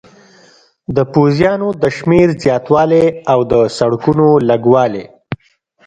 د پوځیانو د شمېر زیاتوالی او د سړکونو لږوالی.